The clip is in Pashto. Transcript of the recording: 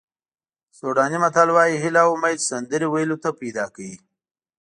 سوډاني متل وایي هیله او امید سندرې ویلو ته پیدا کوي.